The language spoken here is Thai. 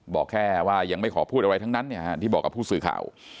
บอกแค่ว่ายังไม่ขอพูดอะไรทั้งนั้นที่บอกกับผู้สื่อข่าว